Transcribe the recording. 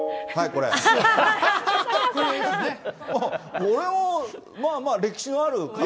これもまあまあ、歴史のある体。